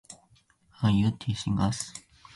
Are you teasing us?